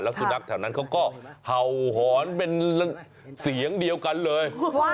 สุนัขแถวนั้นเขาก็เห่าหอนเป็นเสียงเดียวกันเลย